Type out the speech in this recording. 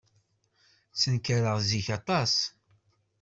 Ttenkareɣ zik aṭas.